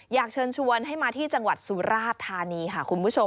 อยากเชิญชวนให้มาที่จังหวัดสุราธานีค่ะคุณผู้ชม